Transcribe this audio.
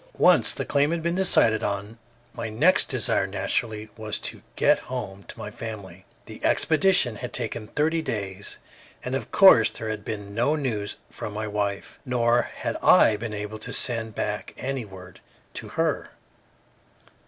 Once the claim had been decided upon, my next desire naturally was to get home to my family. The expedition had taken thirty days, and of course there had been no news from my wife, nor had I been able to send back any word to her.